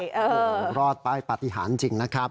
โอ้รอดไปปฏิหารจริงนะครับ